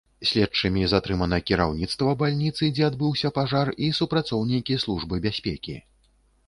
Следчымі затрымана кіраўніцтва бальніцы, дзе адбыўся пажар, і супрацоўнікі службы бяспекі.